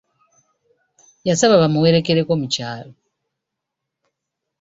Yabasaba bamuwerekeleko mu kyalo!